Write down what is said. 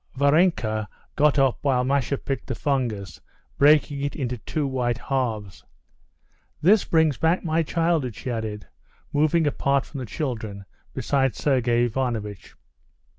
Varenka got up while Masha picked the fungus, breaking it into two white halves. "This brings back my childhood," she added, moving apart from the children beside Sergey Ivanovitch.